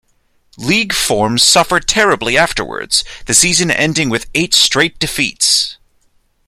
League form suffered terribly afterwards, the season ending with eight straight defeats.